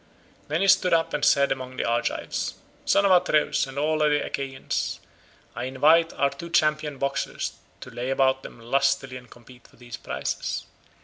Then he stood up and said among the Argives, "Son of Atreus, and all other Achaeans, I invite our two champion boxers to lay about them lustily and compete for these prizes.